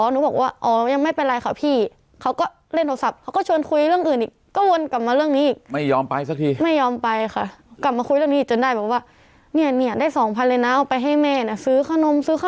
หนูบอกว่าอ๋อยังไม่เป็นไรค่ะพี่เขาก็เล่นโทรศัพท์